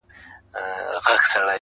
د احمق نوم يې پر ځان نه سو منلاى؛